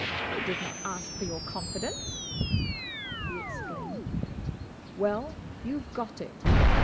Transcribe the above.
"I did not ask for your confidence!" he exclaimed. "Well—you've got it!"